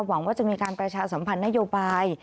หวังว่าจะมีการประชาสัมพันธ์นโยบาย